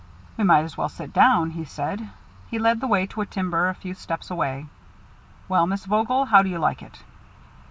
"We might as well sit down," he said. He led the way to a timber a few steps away. "Well, Miss Vogel, how do you like it?"